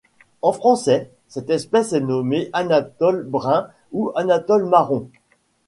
En français, cette espèce est nommée Anole brun ou Anole marron.